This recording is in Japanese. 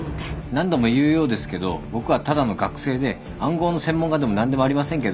何度も言うようですけど僕はただの学生で暗号の専門家でも何でもありませんけど。